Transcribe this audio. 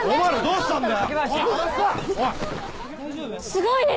すごい熱！